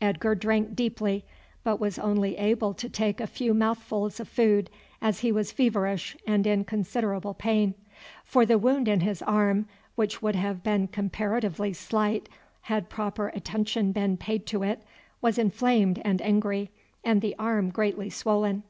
Edgar drank deeply, but was only able to take a few mouthfuls of food as he was feverish and in considerable pain; for the wound in his arm, which would have been comparatively slight had proper attention been paid to it, was inflamed and angry, and the arm greatly swollen.